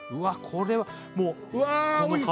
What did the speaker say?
これはもううわ！